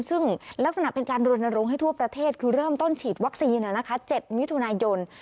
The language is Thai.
ซึ่งลักษณะเป็นการรณรงค์ให้ทั่วประเทศคือเริ่มต้นฉีดวัคซีน๗มิถุนายน